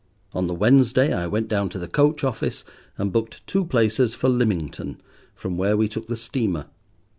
On the Wednesday I went down to the coach office, and booked two places for Lymington, from where we took the steamer.